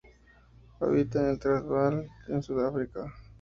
Habita en Transvaal, en Sudáfrica.